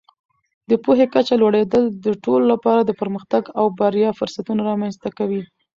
د پوهې کچه لوړېدل د ټولو لپاره د پرمختګ او بریا فرصتونه رامینځته کوي.